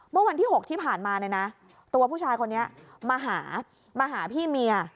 เมื่อวันที่๖ที่ผ่านมาตัวผู้ชายคนนี้มาหาพี่เมีย